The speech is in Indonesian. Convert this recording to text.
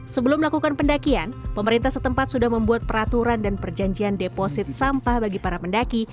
sebelum melakukan pendakian pemerintah setempat sudah membuat peraturan dan perjanjian deposit sampah bagi para pendaki